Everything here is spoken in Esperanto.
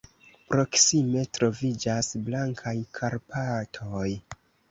Proksime troviĝas Blankaj Karpatoj.